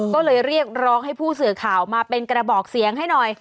ก็เลยเรียกร้องให้ผู้สื่อข่าวมาเป็นกระบอกเสียงให้หน่อย